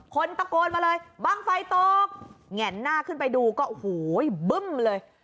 คนตะโกนมาเลยบ้างไฟตกแง่นหน้าขึ้นไปดูก็โอ้โหบึ้มเลย